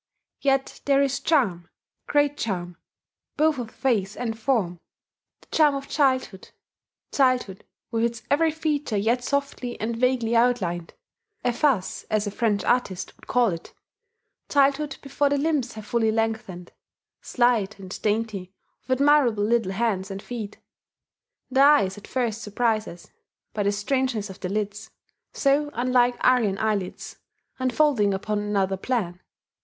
Yet there is charm great charm both of face and form: the charm of childhood childhood with its every feature yet softly and vaguely outlined (efface, as a French artist would call it), childhood before the limbs have fully lengthened, slight and, dainty, with admirable little hands and feet. The eyes at first surprise us, by the strangeness of their lids, so unlike Aryan eyelids, and folding upon another plan.